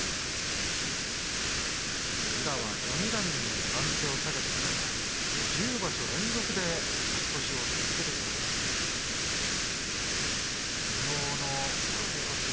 宇良は序二段に番付を下げてからは１０場所連続して勝ち越しを続けてきました。